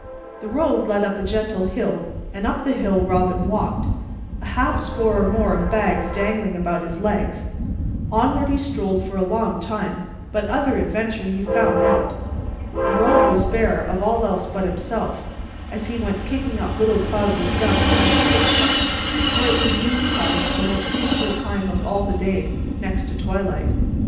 The road led up a gentle hill and up the hill Robin walked, a half score or more of bags dangling about his legs. Onward he strolled for a long time, but other adventure he found not. The road was bare of all else but himself, as he went kicking up little clouds of dust at each footstep; for it was noontide, the most peaceful time of all the day, next to twilight.